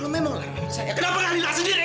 dia akan bukan mati